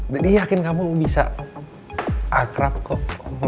yakin kamu bisa akrab kok